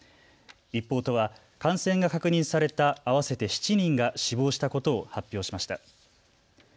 一方、都は感染が確認された合わせて７人が死亡したことを発表しました。